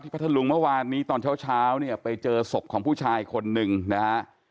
ที่พัทธานลุงเมื่อวานนี้ตอนเช้าไปเจอศพของผู้ชายคนหนึ่งนะครับ